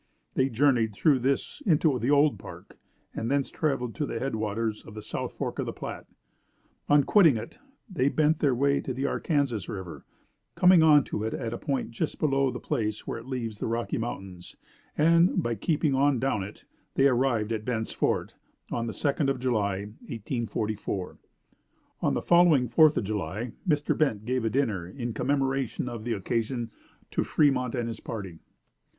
They journeyed through this into the Old Park, and thence traveled to the head waters of the south fork of the Platte. On quitting it, they bent their way to the Arkansas River, coming on to it at a point just below the place where it leaves the Rocky Mountains; and, by keeping on down it, they arrived at Bent's Fort on the 2d of July, 1844. On the following fourth of July Mr. Bent gave a dinner in commemoration of the occasion to Fremont and his party.